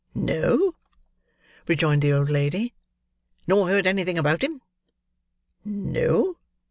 "No," rejoined the old lady. "Nor heard anything about him?" "No."